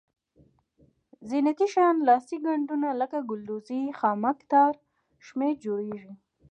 زینتي شیان لاسي ګنډونه لکه ګلدوزي خامک تار شمېر جوړیږي.